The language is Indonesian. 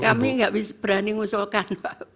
kami nggak berani ngusulkan